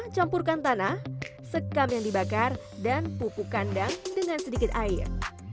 campurkan tanah sekam yang dibakar dan pupuk kandang dengan sedikit air